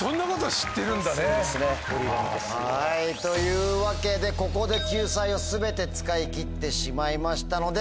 そうですね。というわけでここで救済を全て使いきってしまいましたので。